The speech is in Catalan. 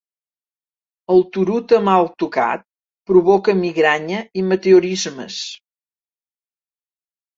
El Turuta mal tocat provoca migranya i meteorismes.